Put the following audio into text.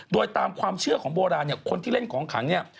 โดยตามความเชื่อของโบราณเนี่ยคนที่เล่นของขังเนี่ย